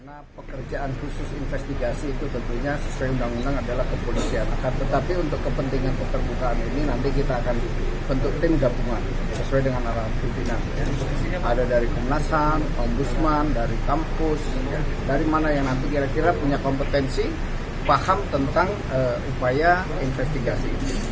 ada dari komnas ham ombudsman dari kampus dari mana yang nanti kira kira punya kompetensi paham tentang upaya investigasi